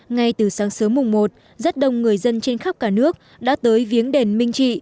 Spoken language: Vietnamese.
ngay từ sáng sớm mùng một rất đông người dân trên khắp cả nước đã tới viếng đền minh trị